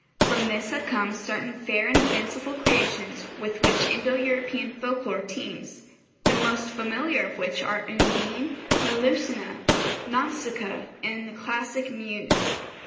From this have come certain fair and fanciful creations with which Indo European folk lore teems, the most familiar of which are Undine, Melusina, Nausicaa, and the classic Muse.